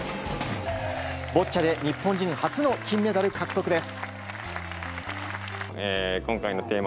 ボッチャで日本人初の金メダル獲得です。